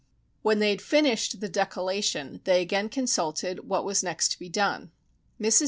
When they had finished the decollation, they again consulted what was next to be done. Mrs.